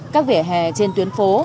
các vỉa hè trên tuyến phố